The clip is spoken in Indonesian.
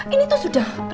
ini tuh sudah